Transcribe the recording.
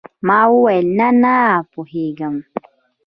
ما وويل نه نه پوهېږم.